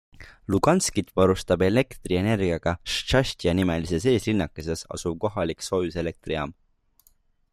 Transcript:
Luganskit varustab elektrienergiaga Štšastja-nimelises eeslinnakeses asuv kohalik soojuselektrijaam.